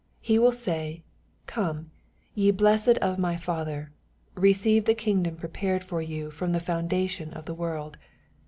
He will say, " Come, ye blessed of my Father, receive the kingdom prepared for you from the foundation of the world."